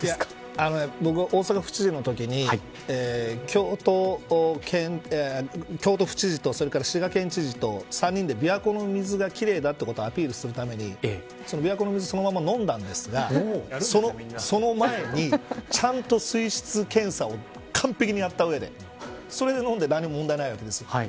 僕、大阪府知事のときに京都府知事とそれから滋賀県知事と３人で、びわ湖の水が奇麗だということをアピールするためにびわ湖の水そのまま飲んだんですがその前にちゃんと水質検査を完璧にやった上でそれで飲んで何も問題ないわけです。